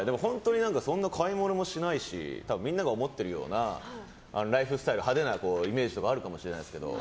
そんな買い物もしないしみんなが思ってるようなライフスタイル派手なイメージとかあるかもしれないですけど